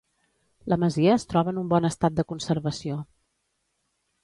La masia es troba en un bon estat de conservació.